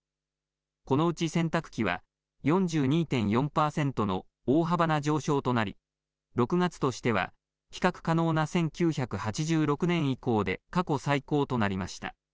このうち洗濯機は４２．４％の大幅な上昇となり６月としては比較可能な１９８６年以降で過去最高となりました。